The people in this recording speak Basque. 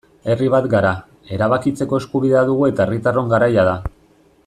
Herri bat gara, erabakitzeko eskubidea dugu eta herritarron garaia da.